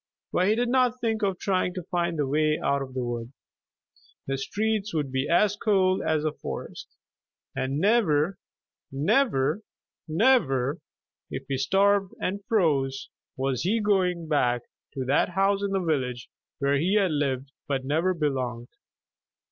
But he did not think of trying to find the way out of the wood. The streets would be as cold as the forest, and never, never, never, if he starved and froze, was he going back to that house in the village where he had lived but never belonged.